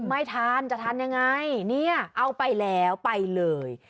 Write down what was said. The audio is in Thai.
ไม่ทันจะทันยังไงเนี่ยเอาไปแล้วไปเลย